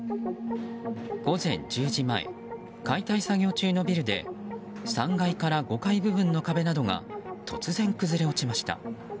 午前１０時前解体作業中のビルで３階から５階部分の壁などが突然崩れ落ちました。